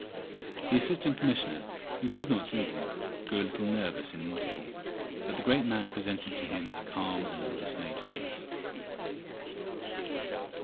The Assistant Commissioner, who could not see them, grew a little nervous in the interval. But the great man presented to him a calm and undismayed face.